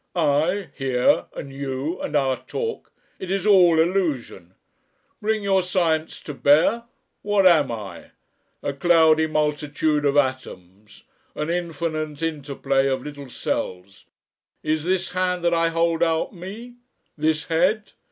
I, here, and you, and our talk it is all Illusion. Bring your Science to bear what am I? A cloudy multitude of atoms, an infinite interplay of little cells. Is this hand that I hold out me? This head?